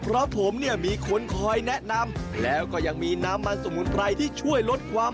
เพราะผมมีคนคอยแนะนำ